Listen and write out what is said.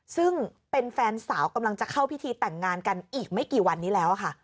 ซึ่งเป็นแฟนสาวกำลังจะเข้าพิธีแต่งงานกันอีกไม่กี่วันนี้แล้วค่ะ